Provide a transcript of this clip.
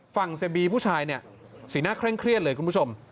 เสียบีผู้ชายเนี่ยสีหน้าเคร่งเครียดเลยคุณผู้ชม